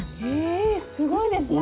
えすごいですね！